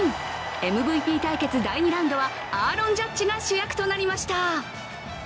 ＭＶＰ対決第２ラウンドはアーロン・ジャッジが主役となりました。